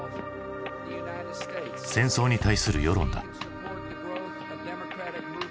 戦争に対する世論だ。